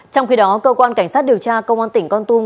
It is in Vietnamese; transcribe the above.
trong khi đó cơ quan cảnh sát điều tra công an tỉnh con tum